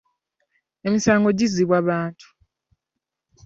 Emisango gizzibwa bantu.